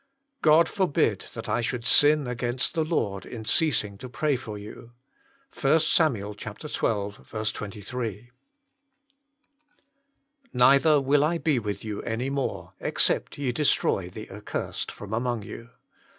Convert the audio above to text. God forbid that I should sin against the Lord in ceasing to pray for you." 1 SAM. xii. 23. "Neither will I be with you any more, except ye destroy the accursed from among you."